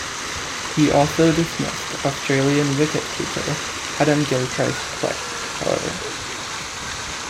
He also dismissed Australian wicket-keeper Adam Gilchrist twice, however.